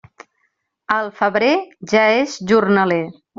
Al febrer, ja és jornaler.